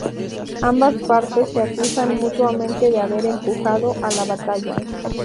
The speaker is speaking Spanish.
Ambas partes se acusan mutuamente de haber empujado a la batalla.